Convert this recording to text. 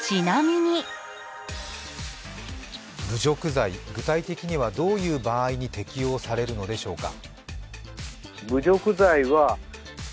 侮辱罪、具体的にはどういう場合に適用されるのでしょうか。